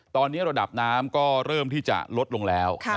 ตอนนี้ระดับน้ำก็เริ่มที่จะลดลงแล้ว